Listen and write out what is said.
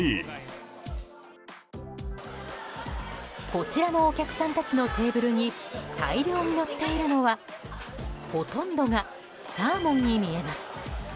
こちらのお客さんたちのテーブルに大量に乗っているのはほとんどがサーモンに見えます。